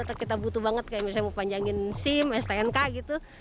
atau kita butuh banget kayak misalnya mau panjangin sim stnk gitu